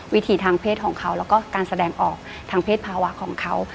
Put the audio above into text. ทางเพศของเขาแล้วก็การแสดงออกทางเพศภาวะของเขา